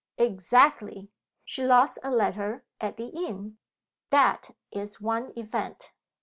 "Exactly. She lost a letter at the inn; that is one event.